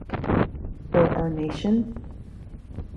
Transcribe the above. For our nation?